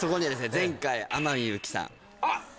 前回天海祐希さんあっ